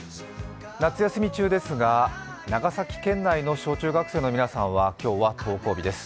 夏休み中ですが、長崎県内の小中学生の皆さんは今日は登校日です。